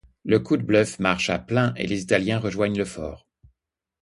Le coup de bluff marche à plein et les Italiens rejoignent le fort.